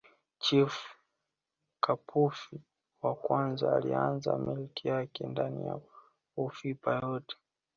Chifu Kapufi wa Kwanza alianza milki yake ndani ya Ufipa yote